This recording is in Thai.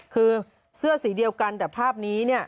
คือเสื้อสีเดียวกันแต่ภาพนี้เนี่ย